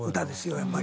やっぱり。